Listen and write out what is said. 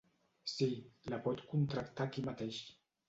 Sí, la pot contractar aquí mateix.